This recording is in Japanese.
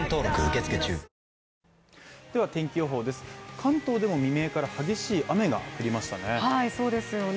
関東でも未明から激しい雨が降りましたね